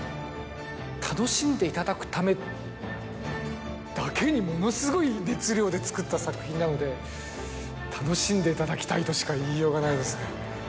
楽しんでいただくためだけにものすごい熱量で作った作品なので楽しんでいただきたいとしか言いようがないですね。